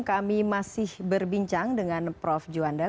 kami masih berbincang dengan prof juanda